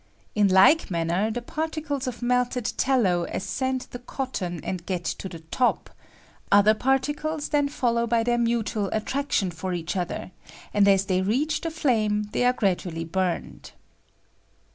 In like manner, the particles of melted tallow ascend the cotton and get to the top; other particles then follow by their mutual at traction for each other, and as they reach the flame they are gradually burned.